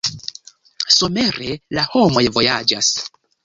Somere la homoj vojaĝas.